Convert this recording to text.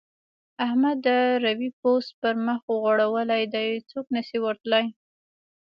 احمد د روې پوست پر مخ غوړولی دی؛ څوک نه شي ور تلای.